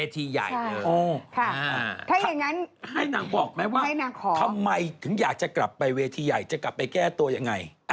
ทำไมถึงอยากจะกลับไปเวทีใหญ่จะกลับไปแก้ตัวอย่างไร